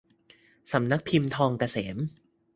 สำนักพิมพ์ทองเกษม